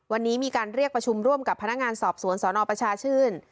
วันนี้มีการเรียกประชุมร่วมกับพนักงานสอบสวนสนประชาชื่น